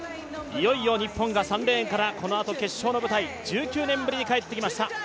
いよいよ日本が３レーンからこのあと決勝の舞台、１９年ぶりに帰ってきました。